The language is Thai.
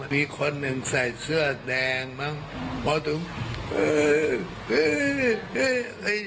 มีคนหนึ่งใส่เสื้อแดงมั้งบอกถึงเอ่อเอ่อเอ่อเอ่อ